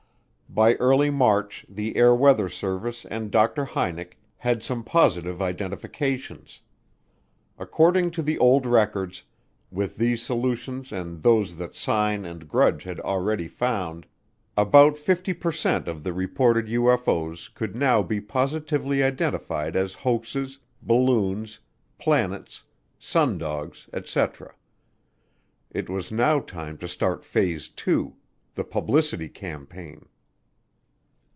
By early March the Air Weather Service and Dr. Hynek had some positive identifications. According to the old records, with these solutions and those that Sign and Grudge had already found, about 50 per cent of the reported UFO's could now be positively identified as hoaxes, balloons, planets, sundogs, etc. It was now time to start phase two, the publicity campaign.